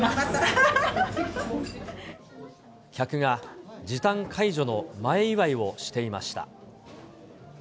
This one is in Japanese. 客が、時短解除の前祝いをしていました。